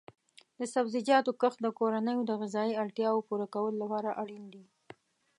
د سبزیجاتو کښت د کورنیو د غذایي اړتیاو پوره کولو لپاره اړین دی.